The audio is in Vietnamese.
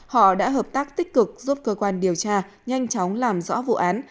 họ đã hợp tác tích cực giúp cơ quan điều tra nhanh chóng làm rõ vụ án